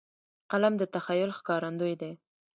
قلم د تخیل ښکارندوی دی